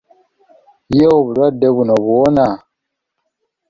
Ye obulwadde buno buwona?